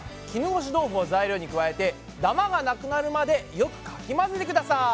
絹ごし豆腐を材料にくわえてダマがなくなるまでよくかきまぜてください。